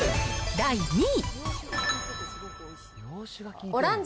第２位。